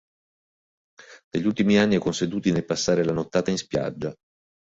Negli ultimi anni è consuetudine passare la nottata in spiaggia.